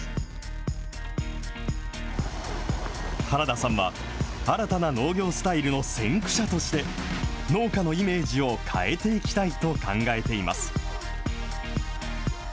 原田さんは、新たな農業スタイルの先駆者として、農家のイメージを変えていきたいと考えています。